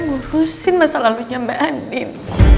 ngurusin masa lalunya mbak andim